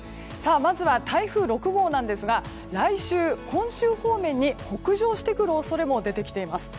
まずは台風６号なんですが来週、本州方面に北上してくる恐れも出てきています。